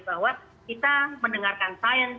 bahwa kita mendengarkan sains